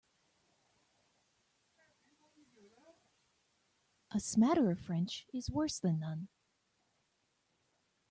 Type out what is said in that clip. A smatter of French is worse than none.